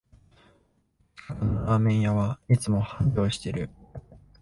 近くのラーメン屋はいつも繁盛してる